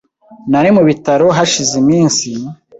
Nari mu bitaro hashize iminsi .